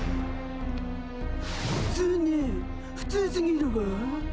普通ね普通すぎるわ。